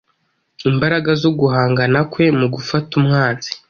Imbaraga zo guhangana kwe mu gufata umwanzi